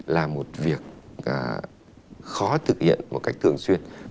là một việc khó thực hiện một cách thường xuyên